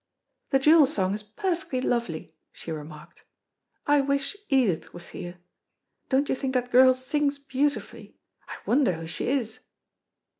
"The Jewel song is perfectly lovely," she remarked. "I wish Edith was here. Don't you think that girl sings beautifully? I wonder who she is."